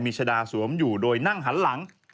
มีชะดาสวมอยู่โดยนั่งหันหลัง